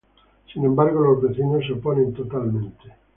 Sin embargo, los vecinos se oponen totalmente.